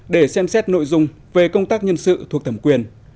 để xem xét nội dung về công tác nhân sự thuộc thẩm quyền